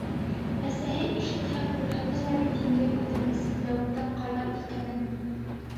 Әсәһе ишетһә, күрһәтә лә бит инде үҙенә сәтләүектең кайҙа үҫкәнен.